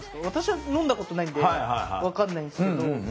私はのんだことないんで分かんないんですけど。